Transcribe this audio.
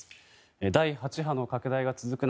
第８波の拡大が続く中